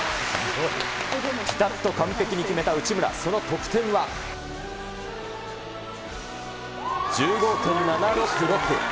ぴたっと完璧に決めた内村、その得点は。１５．７６６。